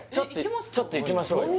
ちょっと行きましょうよ